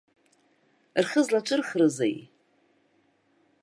Рхы злаҿырхрызеи?!